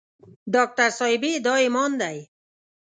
ډاکټر صاحبې دا عمان دی.